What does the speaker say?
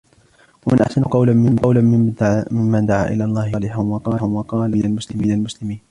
وَمَنْ أَحْسَنُ قَوْلًا مِمَّنْ دَعَا إِلَى اللَّهِ وَعَمِلَ صَالِحًا وَقَالَ إِنَّنِي مِنَ الْمُسْلِمِينَ